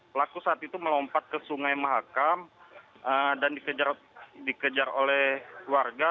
pelaku saat itu melompat ke sungai mahakam dan dikejar oleh warga